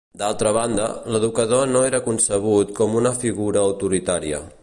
D'altra banda, l'educador no era concebut com una figura autoritària.